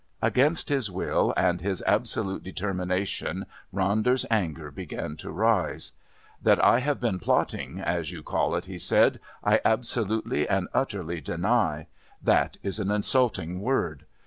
Against his will and his absolute determination Ronder's anger began to rise: "That I have been plotting as you call it," he said, "I absolutely and utterly deny. That is an insulting word.